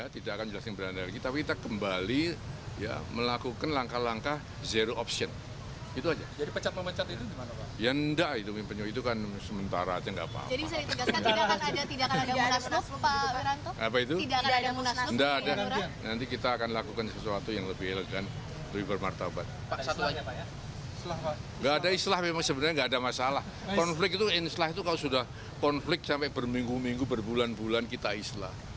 tidak ada islah memang sebenarnya tidak ada masalah konflik itu islah itu kalau sudah konflik sampai berminggu minggu berbulan bulan kita islah